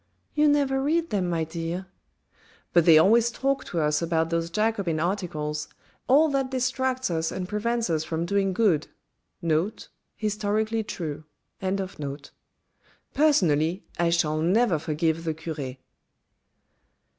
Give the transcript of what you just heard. " You never read them, my dear." " But they always talk to us about those Jacobin articles, all that distracts us and prevents us from doing good.* Personally, I shall never forgive the cure."